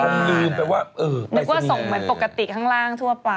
เหมือนกว่าส่งเป็นปกติข้างล่างทั่วไป